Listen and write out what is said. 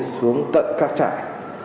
xuống tận các trại